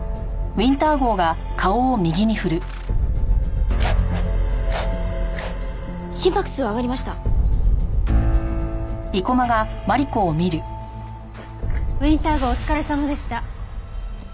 ウィンター号お疲れさまでした。